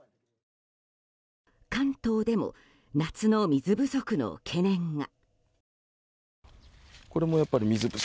関東でも夏の水不足の懸念が。